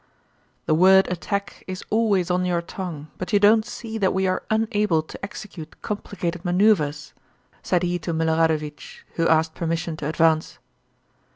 "The word attack is always on your tongue, but you don't see that we are unable to execute complicated maneuvers," said he to Milorádovich who asked permission to advance.